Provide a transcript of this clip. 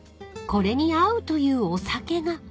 ［これに合うというお酒が］